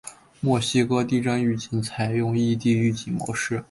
墨西哥地震预警系统采用异地预警模式。